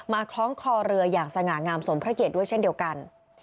คล้องคอเรืออย่างสง่างามสมพระเกียรติด้วยเช่นเดียวกัน